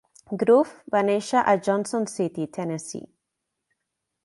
Grove va néixer a Johnson City, Tennessee.